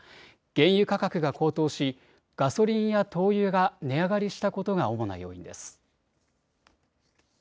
原油価格が高騰しガソリンや灯油が値上がりしたことが主な要因です。